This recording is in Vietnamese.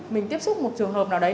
mình tiếp xúc một trường hợp nào đấy